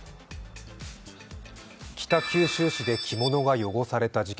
北九州市で着物が汚された事件。